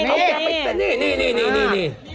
เอาไปแต่นี่